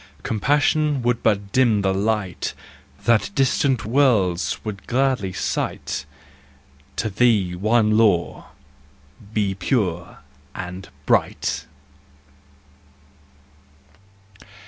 Compassion would but dim the light That distant worlds will gladly sight. To thee one law—be pure and bright!